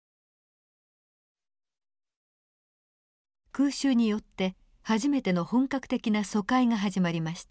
空襲によって初めての本格的な疎開が始まりました。